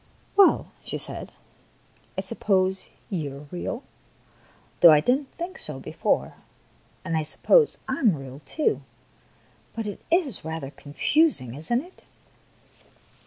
" Well," she said, " I suppose you are real, though I did n't think so before ; and I sup pose I am real, too ; but it is rather confusing, is n't it?"